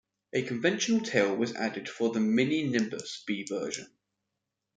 A conventional tail was added for the Mini-Nimbus B version.